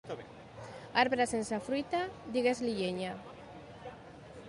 Arbre sense fruita, digues-li llenya.